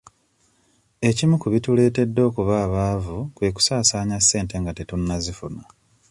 Ekimu ku bituleetedde okuba abaavu kwe kusaasanya ssente nga tetunnazifuna.